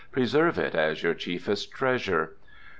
Preserve it as your chiefest treasure.